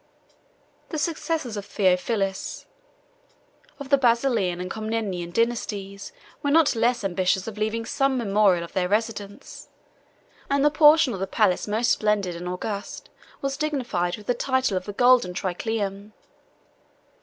The successors of Theophilus, of the Basilian and Comnenian dynasties, were not less ambitious of leaving some memorial of their residence; and the portion of the palace most splendid and august was dignified with the title of the golden triclinium.